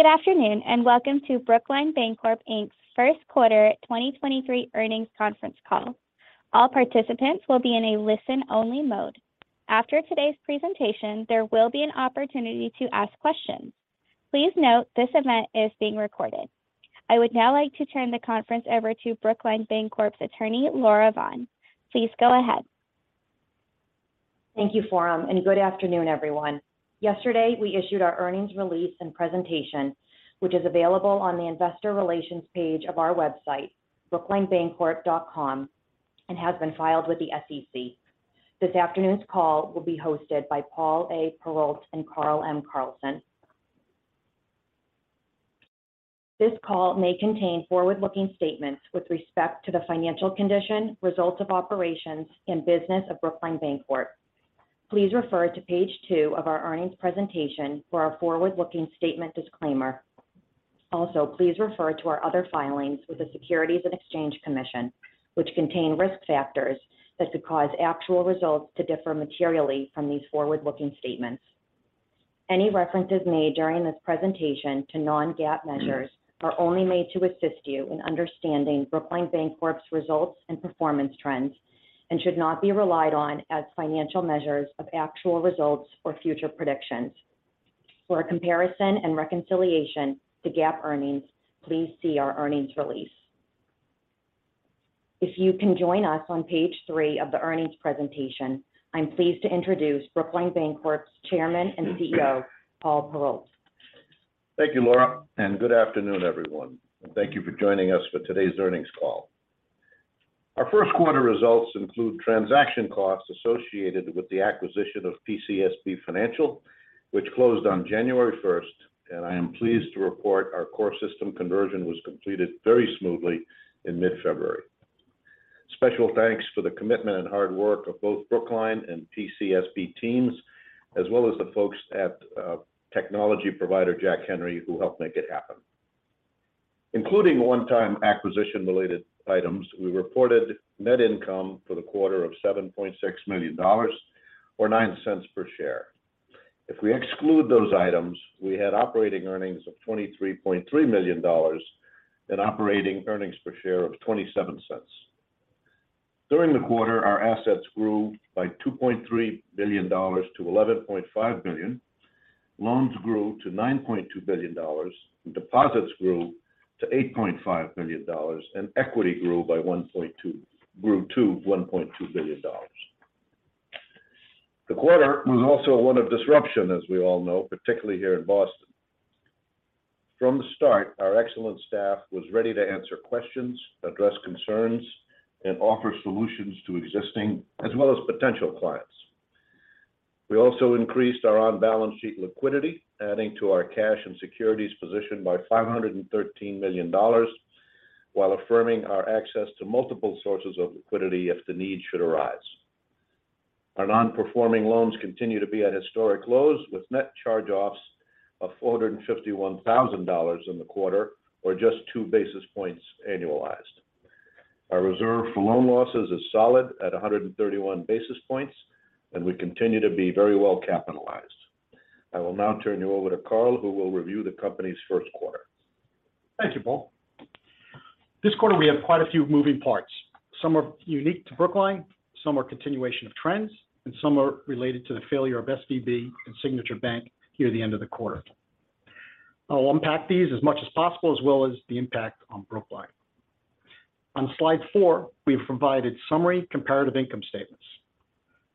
Good afternoon, and welcome to Brookline Bancorp, Inc's first quarter 2023 earnings conference call. All participants will be in a listen-only mode. After today's presentation, there will be an opportunity to ask questions. Please note, this event is being recorded. I would now like to turn the conference over to Brookline Bancorp's attorney, Laura Vaughn. Please go ahead. Thank you, Forum, and good afternoon, everyone. Yesterday, we issued our earnings release and presentation, which is available on the Investor Relations page of our website, brooklinebancorp.com, and has been filed with the SEC. This afternoon's call will be hosted by Paul A. Perrault and Carl M. Carlson. This call may contain forward-looking statements with respect to the financial condition, results of operations, and business of Brookline Bancorp. Please refer to page 2 of our earnings presentation for our forward-looking statement disclaimer. Also, please refer to our other filings with the Securities and Exchange Commission, which contain risk factors that could cause actual results to differ materially from these forward-looking statements. Any references made during this presentation to non-GAAP measures are only made to assist you in understanding Brookline Bancorp's results and performance trends and should not be relied on as financial measures of actual results or future predictions. For a comparison and reconciliation to GAAP earnings, please see our earnings release. If you can join us on page three of the earnings presentation, I'm pleased to introduce Brookline Bancorp's Chairman and CEO, Paul Perrault. Thank you, Laura. Good afternoon, everyone. Thank you for joining us for today's earnings call. Our first quarter results include transaction costs associated with the acquisition of PCSB Financial, which closed on January 1st. I am pleased to report our core system conversion was completed very smoothly in mid-February. Special thanks to the commitment and hard work of both Brookline and PCSB teams, as well as the folks at technology provider Jack Henry, who helped make it happen. Including one-time acquisition-related items, we reported net income for the quarter of $7.6 million or $0.09 per share. If we exclude those items, we had operating earnings of $23.3 million and operating earnings per share of $0.27. During the quarter, our assets grew by $2.3 billion to $11.5 billion. Loans grew to $9.2 billion. Deposits grew to $8.5 billion, and equity grew to $1.2 billion. The quarter was also one of disruption, as we all know, particularly here in Boston. From the start, our excellent staff was ready to answer questions, address concerns, and offer solutions to existing as well as potential clients. We also increased our on-balance sheet liquidity, adding to our cash and securities position by $513 million while affirming our access to multiple sources of liquidity if the need should arise. Our non-performing loans continue to be at historic lows with net charge-offs of $451,000 in the quarter or just 2 basis points annualized. Our reserve for loan losses is solid at 131 basis points. We continue to be very well-capitalized. I will now turn you over to Carl, who will review the company's first quarter. Thank you, Paul. This quarter we have quite a few moving parts. Some are unique to Brookline, some are continuation of trends, and some are related to the failure of SVB and Signature Bank near the end of the quarter. I'll unpack these as much as possible, as well as the impact on Brookline. On slide 4, we've provided summary comparative income statements.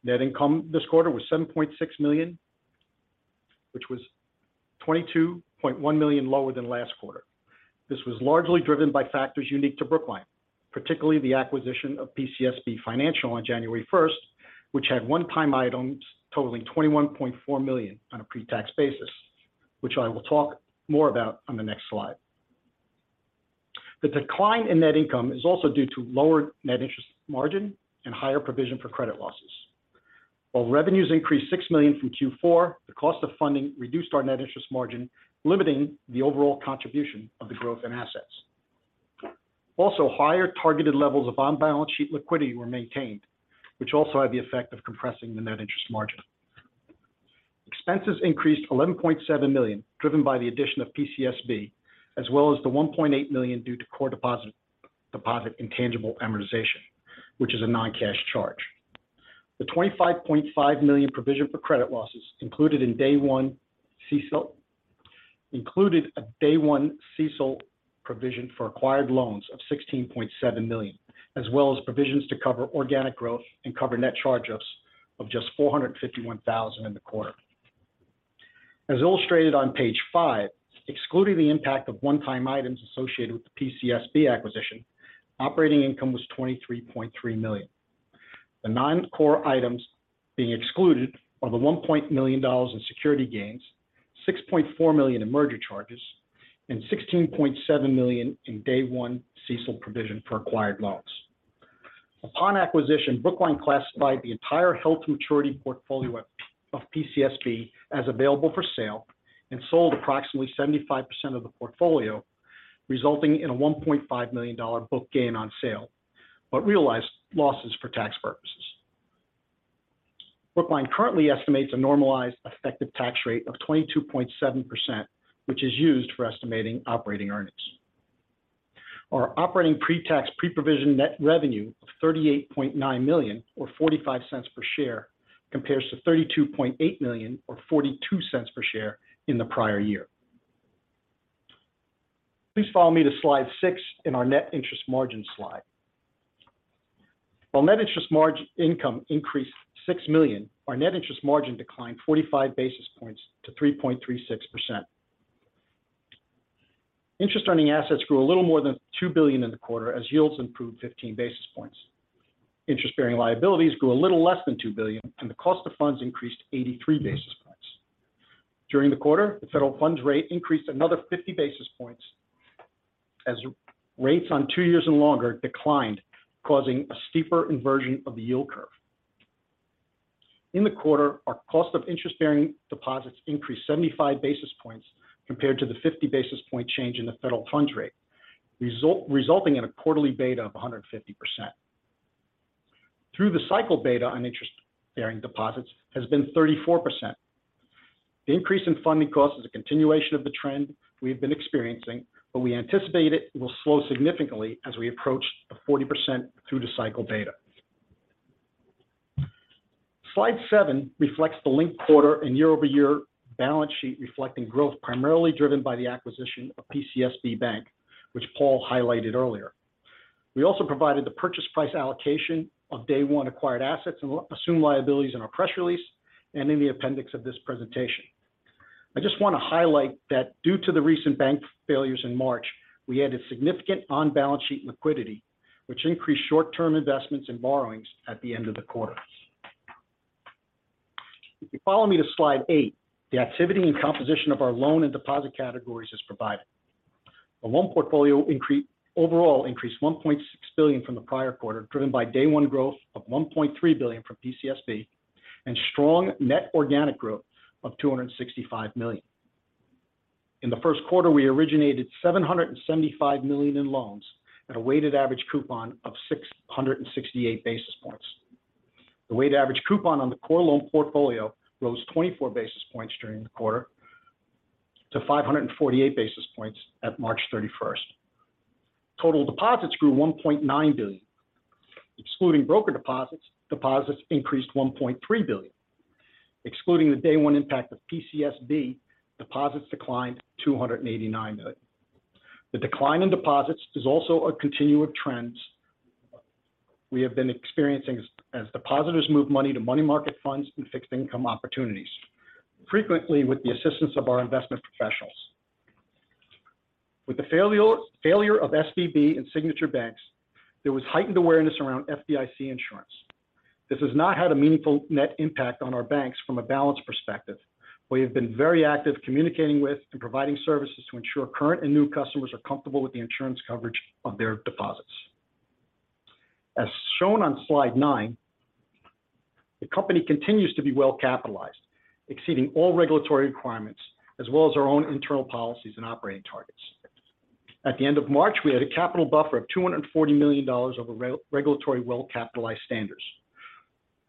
Net income this quarter was $7.6 million, which was $22.1 million lower than last quarter. This was largely driven by factors unique to Brookline, particularly the acquisition of PCSB Financial on January 1st, which had one-time items totaling $21.4 million on a pre-tax basis, which I will talk more about on the next slide. The decline in net income is also due to lower net interest margin and higher provision for credit losses. While revenues increased $6 million from Q4, the cost of funding reduced our net interest margin, limiting the overall contribution of the growth in assets. Also, higher targeted levels of on-balance sheet liquidity were maintained, which also had the effect of compressing the net interest margin. Expenses increased $11.7 million, driven by the addition of PCSB, as well as the $1.8 million due to core deposit intangible amortization, which is a non-cash charge. The $25.5 million provision for credit losses included in day one CECL provision for acquired loans of $16.7 million, as well as provisions to cover organic growth and cover net charge-offs of just $451,000 in the quarter. As illustrated on page 5, excluding the impact of one-time items associated with the PCSB acquisition, operating income was $23.3 million. The nine core items being excluded are the $1.8 million in security gains, $6.4 million in merger charges, and $16.7 million in day one CECL provision for acquired loans. Upon acquisition, Brookline classified the entire held-to-maturity portfolio of PCSB as available-for-sale and sold approximately 75% of the portfolio, resulting in a $1.5 million book gain on sale, but realized losses for tax purposes. Brookline currently estimates a normalized effective tax rate of 22.7%, which is used for estimating operating earnings. Our operating pre-tax, pre-provision net revenue of $38.9 million or $0.45 per share compares to $32.8 million or $0.42 per share in the prior year. Please follow me to slide six in our net interest margin slide. While net interest margin income increased $6 million, our net interest margin declined 45 basis points to 3.36%. Interest earning assets grew a little more than $2 billion in the quarter as yields improved 15 basis points. Interest-bearing liabilities grew a little less than $2 billion, and the cost of funds increased 83 basis points. During the quarter, the federal funds rate increased another 50 basis points as rates on two years and longer declined, causing a steeper inversion of the yield curve. In the quarter, our cost of interest-bearing deposits increased 75 basis points compared to the 50 basis point change in the federal funds rate, resulting in a quarterly beta of 150%. Through the cycle beta on interest-bearing deposits has been 34%. The increase in funding cost is a continuation of the trend we have been experiencing, but we anticipate it will slow significantly as we approach the 40% through the cycle beta. Slide 7 reflects the linked quarter and year-over-year balance sheet reflecting growth primarily driven by the acquisition of PCSB Bank, which Paul highlighted earlier. We also provided the purchase price allocation of day one acquired assets and assumed liabilities in our press release and in the appendix of this presentation. I just want to highlight that due to the recent bank failures in March, we added significant on-balance sheet liquidity, which increased short-term investments and borrowings at the end of the quarter. If you follow me to slide 8, the activity and composition of our loan and deposit categories is provided. The loan portfolio overall increased $1.6 billion from the prior quarter, driven by day one growth of $1.3 billion from PCSB and strong net organic growth of $265 million. In the first quarter, we originated $775 million in loans at a weighted average coupon of 668 basis points. The weighted average coupon on the core loan portfolio rose 24 basis points during the quarter to 548 basis points at March thirty-first. Total deposits grew $1.9 billion. Excluding broker deposits increased $1.3 billion. Excluding the day one impact of PCSB, deposits declined $289 million. The decline in deposits is also a continue of trends we have been experiencing as depositors move money to money market funds and fixed income opportunities, frequently with the assistance of our investment professionals. With the failure of SVB and Signature Banks, there was heightened awareness around FDIC insurance. This has not had a meaningful net impact on our banks from a balance perspective. We have been very active communicating with and providing services to ensure current and new customers are comfortable with the insurance coverage of their deposits. As shown on slide 9, the company continues to be well-capitalized, exceeding all regulatory requirements as well as our own internal policies and operating targets. At the end of March, we had a capital buffer of $240 million over re-regulatory well-capitalized standards.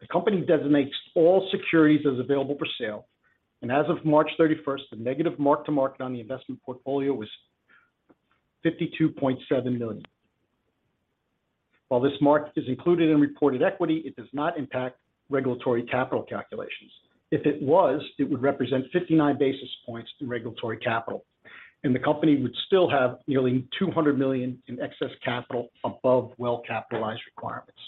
The company designates all securities as available-for-sale, and as of March 31st, the negative mark to market on the investment portfolio was $52.7 million. While this mark is included in reported equity, it does not impact regulatory capital calculations. If it was, it would represent 59 basis points to regulatory capital, and the company would still have nearly $200 million in excess capital above well-capitalized requirements.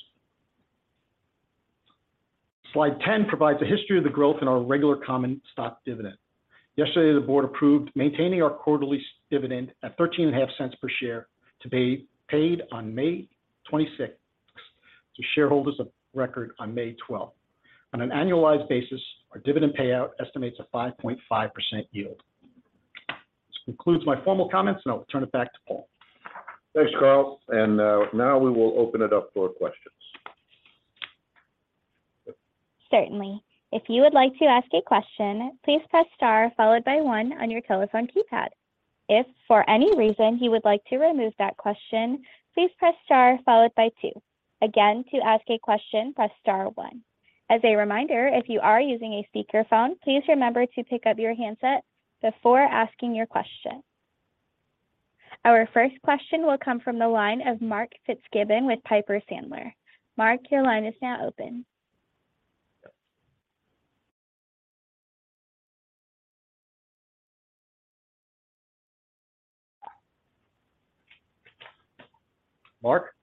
Slide 10 provides a history of the growth in our regular common stock dividend. Yesterday, the board approved maintaining our quarterly dividend at $0.135 per share to be paid on May 26th to shareholders of record on May 12th. On an annualized basis, our dividend payout estimates a 5.5% yield. This concludes my formal comments, and I'll turn it back to Paul. Thanks, Carl. Now we will open it up for questions. Certainly. If you would like to ask a question, please press star followed by one on your telephone keypad. If for any reason you would like to remove that question, please press star followed by two. Again, to ask a question, press star one. As a reminder, if you are using a speakerphone, please remember to pick up your handset before asking your question. Our first question will come from the line of Mark Fitzgibbon with Piper Sandler. Mark, your line is now open. Mark?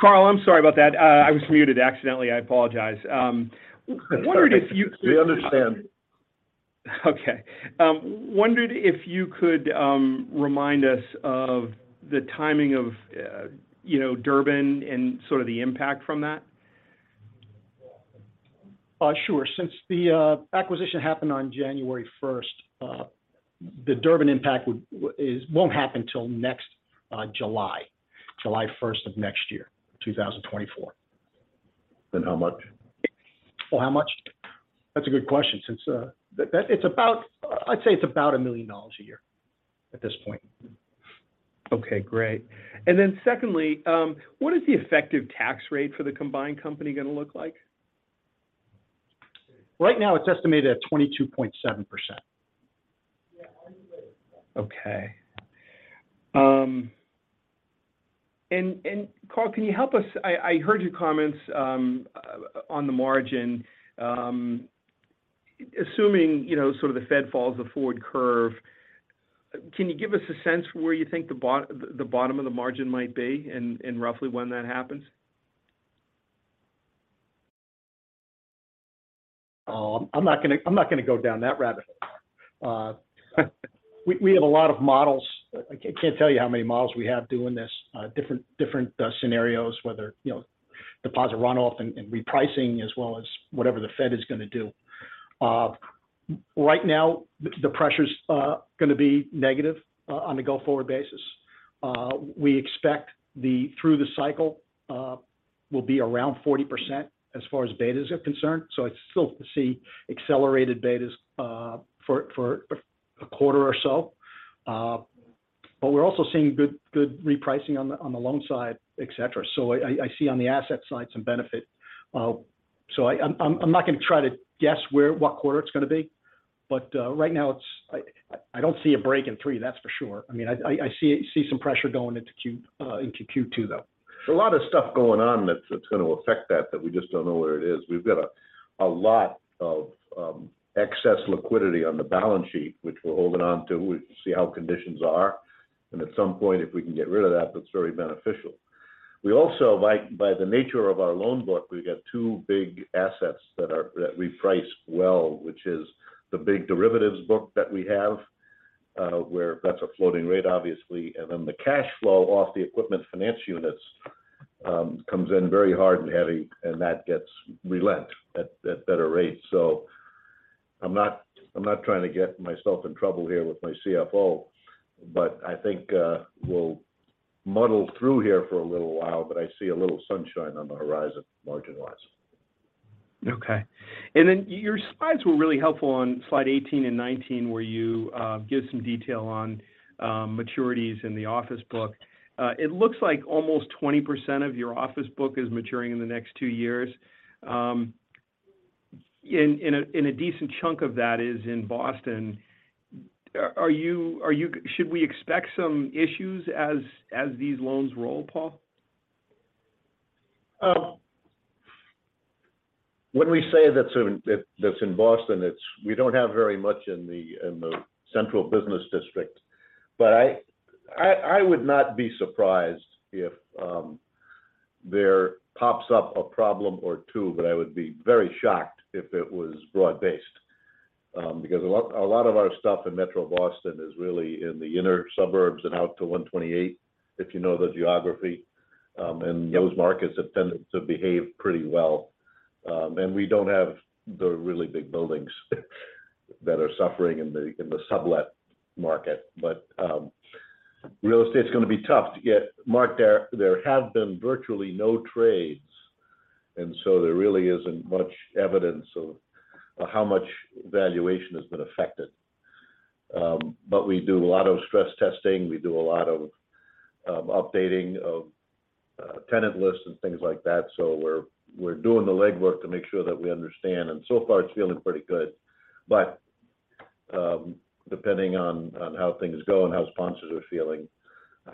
Carl, I'm sorry about that. I was muted accidentally. I apologize. Wondered if you. We understand. Okay. Wondered if you could, remind us of the timing of, you know, Durbin and sort of the impact from that? Sure. Since the acquisition happened on January 1st, the Durbin impact won't happen till next July. July 1st of next year, 2024. How much? Well, how much? That's a good question. I'd say it's about $1 million a year at this point. Okay, great. Secondly, what is the effective tax rate for the combined company gonna look like? Right now, it's estimated at 22.7%. Okay. Carl, can you help us. I heard your comments on the margin. Assuming, you know, sort of the Fed follows the forward curve, can you give us a sense for where you think the bottom of the margin might be and roughly when that happens? Oh, I'm not gonna go down that rabbit hole. We have a lot of models. I can't tell you how many models we have doing this, different scenarios, whether, you know, deposit runoff and repricing as well as whatever the Fed is gonna do. Right now, the pressure's gonna be negative on a go-forward basis. We expect through the cycle, we'll be around 40% as far as betas are concerned. I still see accelerated betas for a quarter or so. We're also seeing good repricing on the loan side, et cetera. I see on the asset side some benefit. I'm not gonna try to guess what quarter it's gonna be, but right now I don't see a break in three, that's for sure. I mean, I see some pressure going into Q2, though. There's a lot of stuff going on that's gonna affect that we just don't know where it is. We've got a lot of excess liquidity on the balance sheet, which we're holding on to. We'll see how conditions are. At some point, if we can get rid of that's very beneficial. We also, by the nature of our loan book, we've got two big assets that reprice well, which is the big derivatives book that we have, where that's a floating rate, obviously. Then the cash flow off the equipment finance units comes in very hard and heavy, and that gets re-lent at better rates. I'm not, I'm not trying to get myself in trouble here with my CFO, I think we'll muddle through here for a little while. I see a little sunshine on the horizon margin-wise. Okay. Then your slides were really helpful on slide 18 and 19, where you give some detail on maturities in the office book. It looks like almost 20% of your office book is maturing in the next 2 years. And a decent chunk of that is in Boston. Should we expect some issues as these loans roll, Paul? When we say that's in Boston, we don't have very much in the central business district. I would not be surprised if there pops up a problem or two, but I would be very shocked if it was broad-based. Because a lot of our stuff in Metro Boston is really in the inner suburbs and out to 128, if you know the geography. Those markets have tended to behave pretty well. We don't have the really big buildings that are suffering in the sublet market. Real estate's gonna be tough to get marked there. There have been virtually no trades, and so there really isn't much evidence of how much valuation has been affected. We do a lot of stress testing. We do a lot of updating of tenant lists and things like that. We're doing the legwork to make sure that we understand. So far, it's feeling pretty good. Depending on how things go and how sponsors are feeling,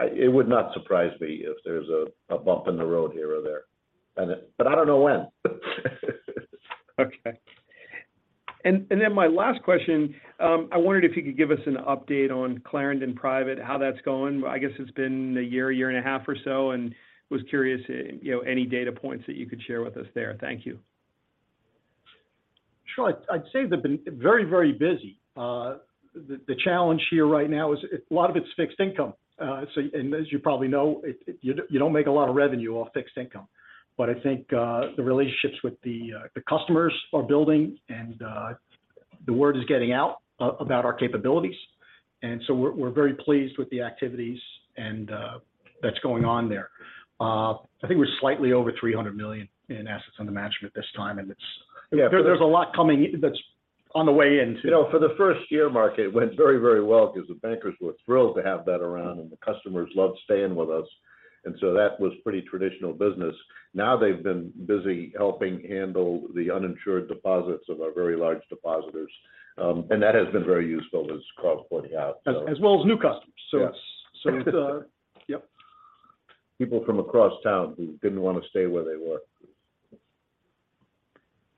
it would not surprise me if there's a bump in the road here or there. I don't know when. Okay. Then my last question, I wondered if you could give us an update on Clarendon Private, how that's going. I guess it's been a year, a year and a half or so, and was curious, you know, any data points that you could share with us there. Thank you. Sure. I'd say they've been very, very busy. The challenge here right now is a lot of it's fixed income. As you probably know, you don't make a lot of revenue off fixed income. I think the relationships with the customers are building and the word is getting out about our capabilities. We're very pleased with the activities that's going on there. I think we're slightly over $300 million in assets under management at this time, and it's. Yeah. There's a lot coming that's on the way in, too. You know, for the first year market, it went very, very well because the bankers were thrilled to have that around, and the customers loved staying with us. That was pretty traditional business. Now they've been busy helping handle the uninsured deposits of our very large depositors. That has been very useful as Carl's pointed out. As well as new customers. Yes. Yep. People from across town who didn't wanna stay where they were.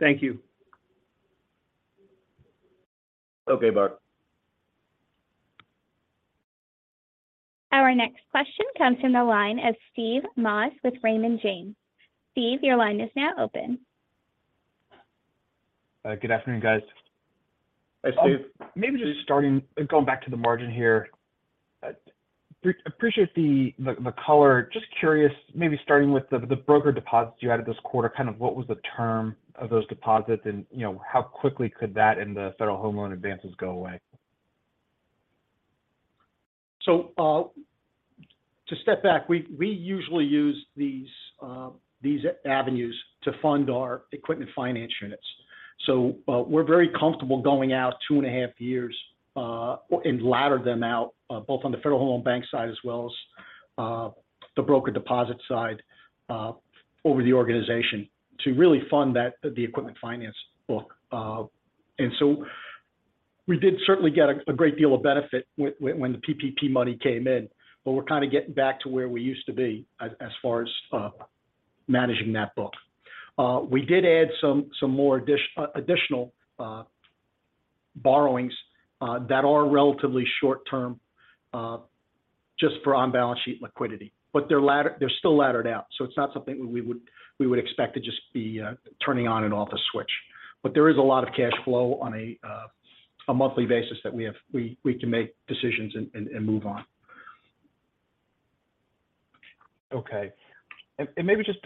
Thank you. Okay, Mark. Our next question comes from the line of Steve Moss with Raymond James. Steve, your line is now open. Good afternoon, guys. Hi, Steve. Maybe just starting, going back to the margin here. Appreciate the color. Just curious, maybe starting with the broker deposits you had at this quarter, kind of what was the term of those deposits and, you know, how quickly could that and the Federal Home Loan advances go away? To step back, we usually use these avenues to fund our equipment finance units. We're very comfortable going out 2.5 years and ladder them out both on the Federal Home Loan Bank side as well as the broker deposit side over the organization to really fund that, the equipment finance book. We did certainly get a great deal of benefit when the PPP money came in. We're kind of getting back to where we used to be as far as managing that book. We did add some more additional borrowings that are relatively short term just for on-balance sheet liquidity. They're still laddered out, so it's not something we would expect to just be turning on and off a switch. There is a lot of cash flow on a monthly basis that we can make decisions and move on. Okay. Maybe just,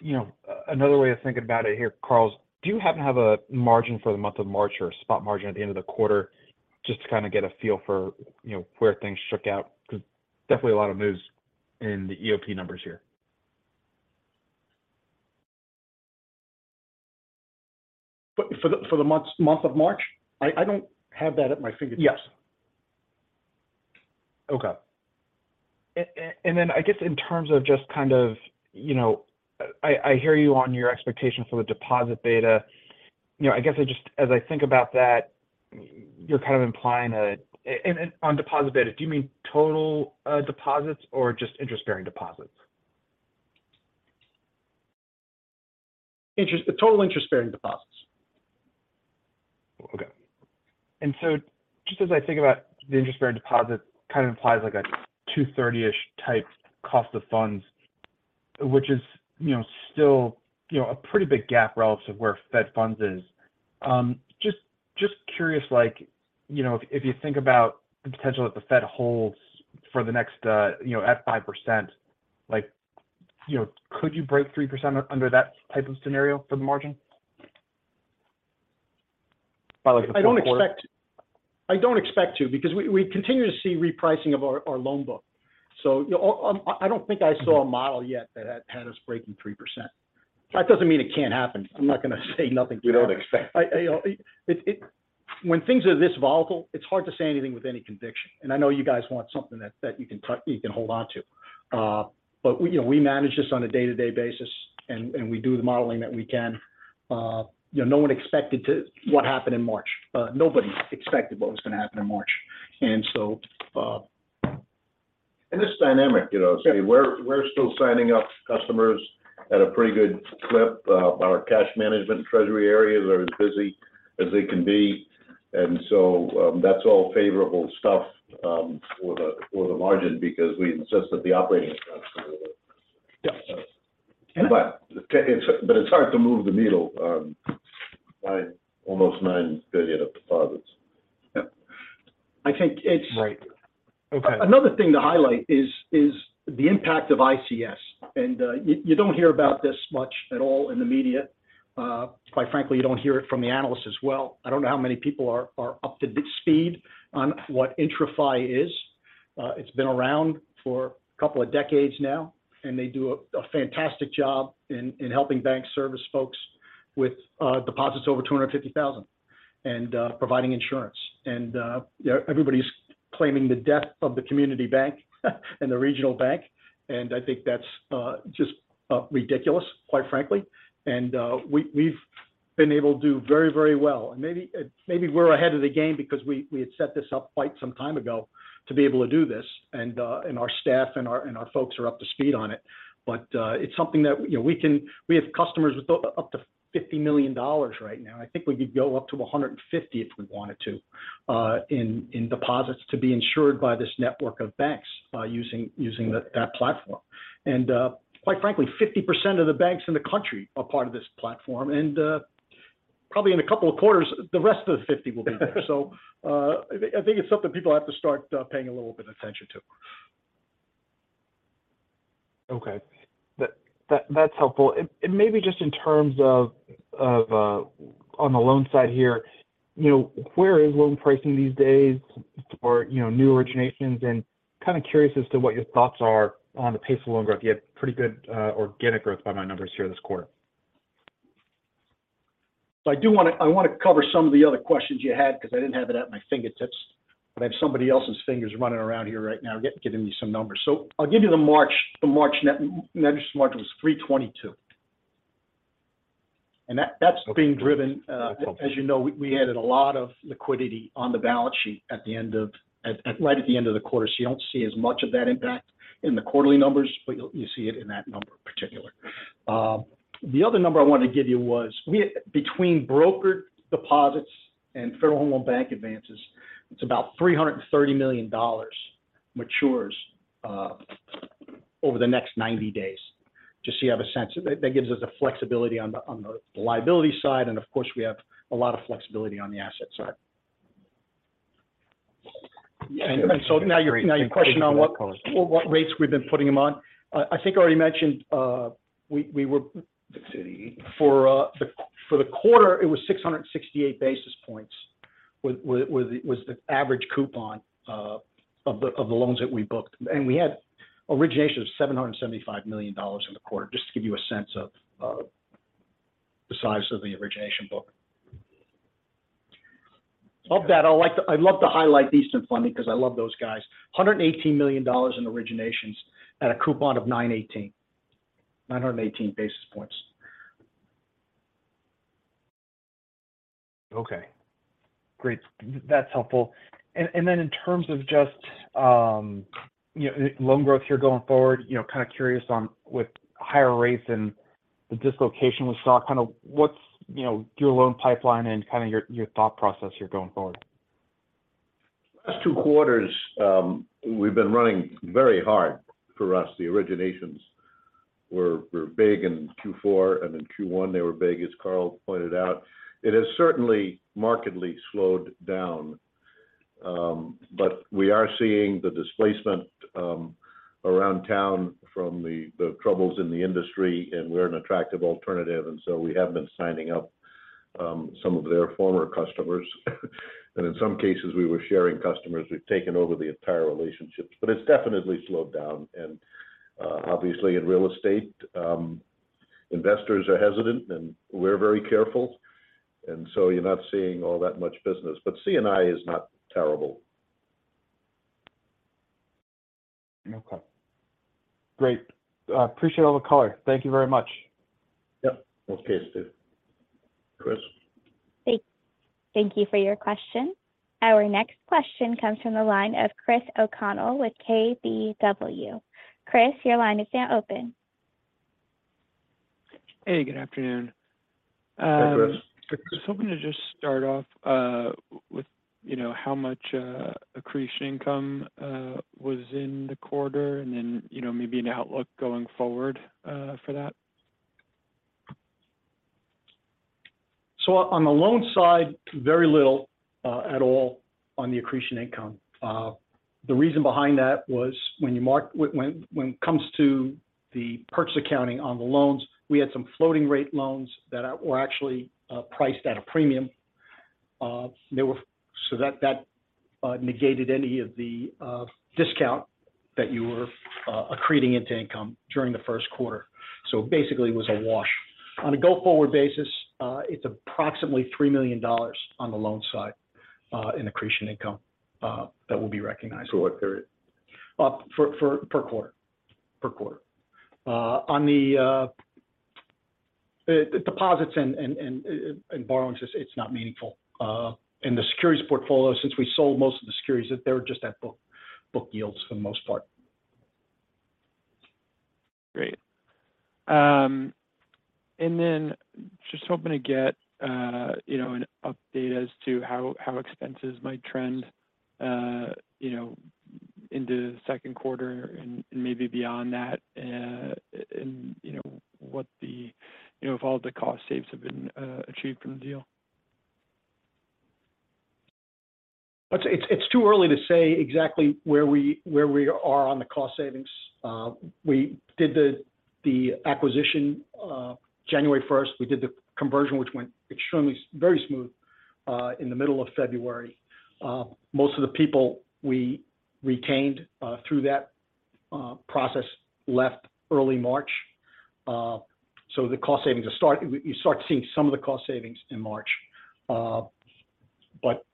you know, another way of thinking about it here, Carl, do you happen to have a margin for the month of March or a spot margin at the end of the quarter just to kind of get a feel for, you know, where things shook out? Because definitely a lot of moves in the EOP numbers here. For the month of March? I don't have that at my fingertips. Yes. Okay. Then I guess in terms of just kind of, you know, I hear you on your expectation for the deposit beta. You know, I guess I just as I think about that, you're kind of implying, on deposit beta, do you mean total deposits or just interest-bearing deposits? Total interest-bearing deposits. Just as I think about the interest-bearing deposit kind of implies like a 230-ish type cost of funds, which is, you know, still, you know, a pretty big gap relative to where Fed funds is. Just curious, like, you know, if you think about the potential that the Fed holds for the next, you know, at 5%, like, you know, could you break 3% under that type of scenario for the margin? By like the fourth quarter? I don't expect to because we continue to see repricing of our loan book. You know, I don't think I saw a model yet that had us breaking 3%. That doesn't mean it can't happen. I'm not gonna say nothing can't happen. You don't expect. You know, when things are this volatile, it's hard to say anything with any conviction. I know you guys want something that you can hold on to. We, you know, we manage this on a day-to-day basis and we do the modeling that we can. You know, no one expected what happened in March. Nobody expected what was gonna happen in March. This is dynamic, you know. Yeah. We're still signing up customers at a pretty good clip. Our cash management treasury areas are as busy as they can be. That's all favorable stuff for the margin because we've insisted the operating expense a little. Yes. It's hard to move the needle, by almost $9 billion of deposits. Yeah. I think. Right. Okay. Another thing to highlight is the impact of ICS, and you don't hear about this much at all in the media. Quite frankly, you don't hear it from the analysts as well. I don't know how many people are up to speed on what IntraFi is. It's been around for a couple of decades now, and they do a fantastic job in helping banks service folks with deposits over $250,000, and providing insurance. You know, everybody's claiming the death of the community bank and the regional bank, and I think that's just ridiculous, quite frankly. We've been able to do very, very well. Maybe, maybe we're ahead of the game because we had set this up quite some time ago to be able to do this and our staff and our, and our folks are up to speed on it. It's something that, you know, we have customers with up to $50 million right now. I think we could go up to $150 million if we wanted to, in deposits to be insured by this network of banks, using that platform. Quite frankly, 50% of the banks in the country are part of this platform, and probably in a couple of quarters, the rest of the 50% will be there. I think it's something people have to start paying a little bit attention to. Okay. That's helpful. Maybe just in terms of on the loan side here, you know, where is loan pricing these days for, you know, new originations? Kind of curious as to what your thoughts are on the pace of loan growth. You had pretty good organic growth by my numbers here this quarter. I wanna cover some of the other questions you had because I didn't have it at my fingertips. I have somebody else's fingers running around here right now giving me some numbers. I'll give you the March. The March net interest margin was 3.22%. Okay. That's being driven, as you know, we added a lot of liquidity on the balance sheet right at the end of the quarter. You don't see as much of that impact in the quarterly numbers, but you see it in that number in particular. The other number I wanted to give you was between brokered deposits and Federal Home Loan Bank advances, it's about $330 million matures over the next 90 days. Just so you have a sense. That gives us a flexibility on the liability side, and of course, we have a lot of flexibility on the asset side. Yeah. Now your question on. You're pushing those numbers. What rates we've been putting them on. I think I already mentioned. For the quarter, it was 668 basis points. Was the average coupon of the, of the loans that we booked. We had originations of $775 million in the quarter, just to give you a sense of the size of the origination book. Of that, I'd love to highlight Eastern Funding because I love those guys, $118 million in originations at a coupon of 918 basis points. Okay. Great. That's helpful. Then in terms of just, you know, loan growth here going forward, you know, kind of curious on with higher rates and the dislocation we saw, kind of what's, you know, your loan pipeline and kind of your thought process here going forward? Last two quarters, we've been running very hard. For us, the originations were big in Q4, and in Q1 they were big, as Carl pointed out. It has certainly markedly slowed down. We are seeing the displacement around town from the troubles in the industry, and we're an attractive alternative. We have been signing up some of their former customers. In some cases, we were sharing customers. We've taken over the entire relationships. It's definitely slowed down. Obviously in real estate, investors are hesitant, and we're very careful. You're not seeing all that much business. C&I is not terrible. Okay. Great. I appreciate all the color. Thank you very much. Yep. Thanks, Steve. Chris. Thank you for your question. Our next question comes from the line of Chris O'Connell with KBW. Chris, your line is now open. Hey, good afternoon. Hey, Chris. Just hoping to start off, with, you know, how much accretion income was in the quarter and then, you know, maybe an outlook going forward, for that. On the loan side, very little at all on the accretion income. The reason behind that was when it comes to the purchase accounting on the loans, we had some floating rate loans that were actually priced at a premium. That negated any of the discount that you were accreting into income during the first quarter. Basically it was a wash. On a go-forward basis, it's approximately $3 million on the loan side, in accretion income, that will be recognized. For what period? Per quarter. Per quarter. On the deposits and borrowings, it's not meaningful. In the securities portfolio, since we sold most of the securities, they were just at book yields for the most part. Great. Just hoping to get, you know, an update as to how expenses might trend, you know, into the second quarter and maybe beyond that. You know, if all of the cost saves have been achieved from the deal. It's too early to say exactly where we are on the cost savings. We did the acquisition January 1st. We did the conversion, which went very smooth, in the middle of February. Most of the people we retained through that process left early March. The cost savings are you start seeing some of the cost savings in March.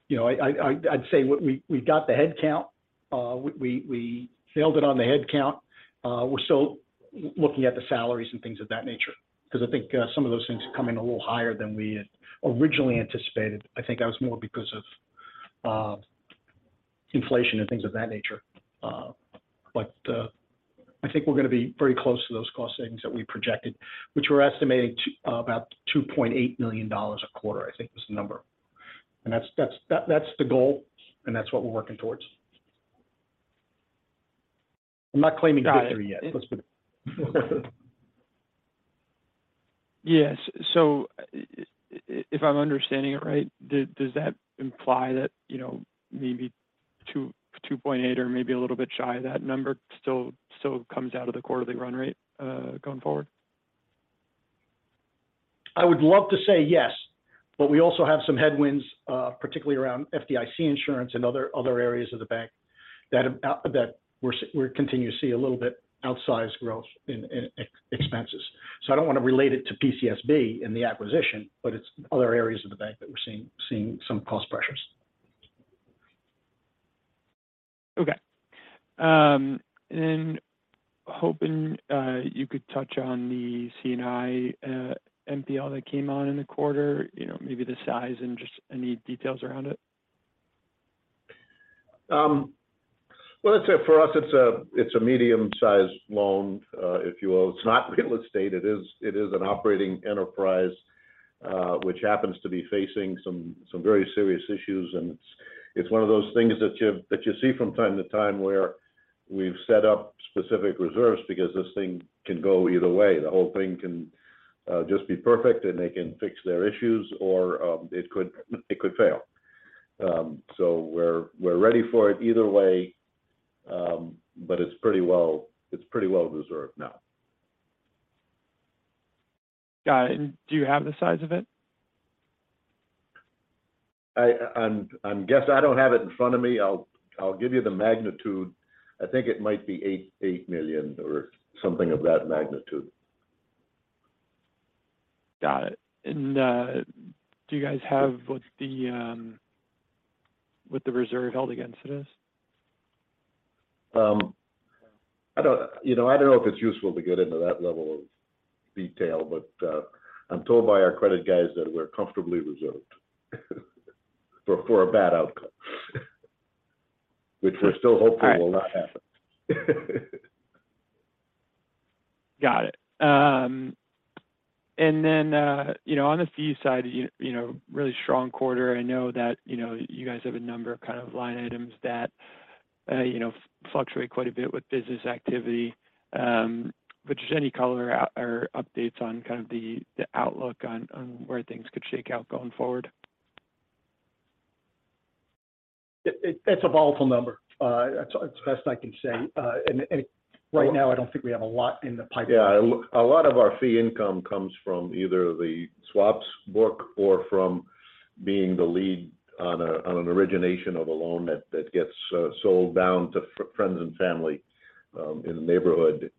You know, I'd say we got the head count. We nailed it on the head count. We're still looking at the salaries and things of that nature because I think some of those things are coming a little higher than we had originally anticipated. I think that was more because of inflation and things of that nature. I think we're going to be very close to those cost savings that we projected, which we're estimating about $2.8 million a quarter, I think was the number. That's the goal, and that's what we're working towards. I'm not claiming we're there yet. Got it. Let's put it. Yes. If I'm understanding it right, does that imply that, you know, maybe 2.8 or maybe a little bit shy of that number still comes out of the quarterly run rate going forward? I would love to say yes, but we also have some headwinds, particularly around FDIC insurance and other areas of the bank that we're continuing to see a little bit outsized growth in expenses. I don't want to relate it to PCSB and the acquisition, but it's other areas of the bank that we're seeing some cost pressures. Okay. hoping, you could touch on the C&I, NPL that came on in the quarter. You know, maybe the size and just any details around it. Well, let's say for us it's a medium-sized loan, if you will. It's not real estate. It is an operating enterprise, which happens to be facing some very serious issues. It's one of those things that you see from time to time where we've set up specific reserves because this thing can go either way. The whole thing can just be perfect and they can fix their issues or, it could fail. We're ready for it either way, but it's pretty well reserved now. Got it. Do you have the size of it? I'm guessing I don't have it in front of me. I'll give you the magnitude. I think it might be $8 million or something of that magnitude. Got it. Do you guys have what the reserve held against it is? You know, I don't know if it's useful to get into that level of detail, but I'm told by our credit guys that we're comfortably reserved for a bad outcome. Which we're still hoping. All right. It will not happen. Got it. Then, you know, on the fee side, you know, really strong quarter. I know that, you know, you guys have a number of kind of line items that, you know, fluctuate quite a bit with business activity. Just any color or updates on kind of the outlook on where things could shake out going forward? It's a volatile number. That's the best I can say. Right now I don't think we have a lot in the pipeline. Yeah. Look, a lot of our fee income comes from either the swaps book or from being the lead on an origination of a loan that gets sold down to friends and family in the neighborhood.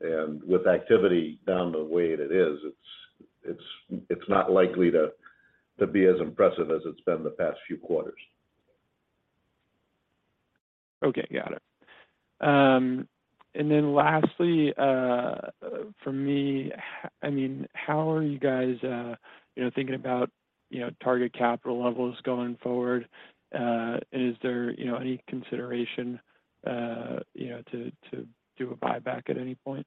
With activity down the way that it is, it's not likely to be as impressive as it's been the past few quarters. Okay. Got it. Then lastly, for me, I mean, how are you guys, you know, thinking about, you know, target capital levels going forward? Is there, you know, any consideration, you know, to do a buyback at any point?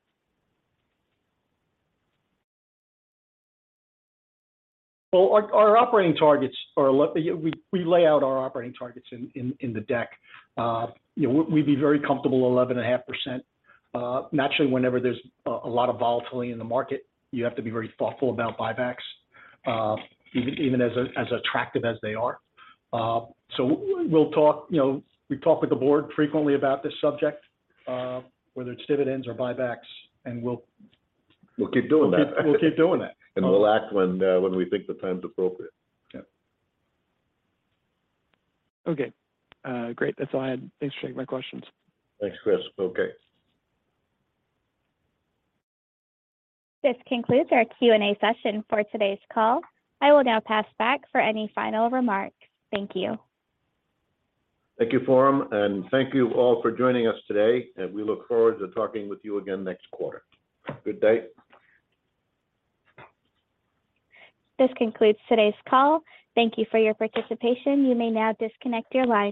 Well, our operating targets. We lay out our operating targets in the deck. You know, we'd be very comfortable 11.5%. Naturally, whenever there's a lot of volatility in the market, you have to be very thoughtful about buybacks, even as attractive as they are. We'll talk, you know, we talk with the board frequently about this subject, whether it's dividends or buybacks. We'll keep doing that. We'll keep doing that. We'll act when we think the time's appropriate. Yeah. Okay. great. That's all I had. Thanks for taking my questions. Thanks, Chris. Okay. This concludes our Q&A session for today's call. I will now pass back for any final remarks. Thank you. Thank you, Forum, and thank you all for joining us today, and we look forward to talking with you again next quarter. Good day. This concludes today's call. Thank you for your participation. You may now disconnect your line.